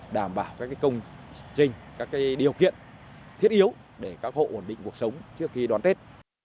đảm bảo các công trình các điều kiện thiết yếu để các hộ ổn định cuộc sống trước khi đón tết